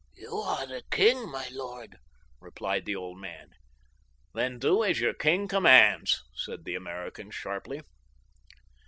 "You are the king, my lord," replied the old man. "Then do as your king commands," said the American sharply.